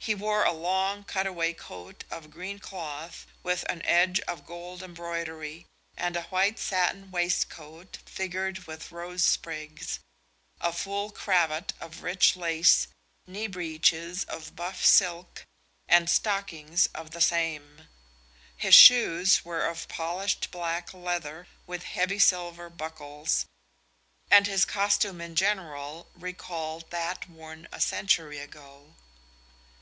He wore a long cut away coat of green cloth with an edge of gold embroidery, and a white satin waistcoat figured with rose sprigs, a full cravat of rich lace, knee breeches of buff silk, and stockings of the same. His shoes were of polished black leather with heavy silver buckles, and his costume in general recalled that worn a century ago.